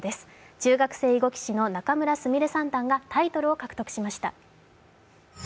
中学生囲碁騎士の仲邑菫三段がタイトルを獲得しました。